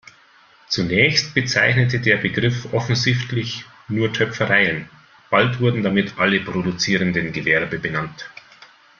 Zunächst bezeichnete der Begriff offensichtlich nur Töpfereien, bald wurden damit alle produzierenden Gewerbe benannt.